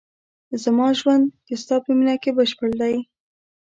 زما ژوند د ستا په مینه کې بشپړ دی.